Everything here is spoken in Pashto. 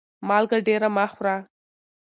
مالګه ډيره مه خوره